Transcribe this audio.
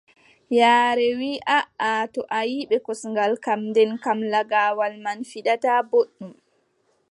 Yaare wii aaʼa, to a ƴiʼi bee kosngal kam, nden kam lagaawal man fiɗataa booɗɗum.